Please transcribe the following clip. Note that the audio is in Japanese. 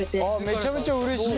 めちゃめちゃうれしいね。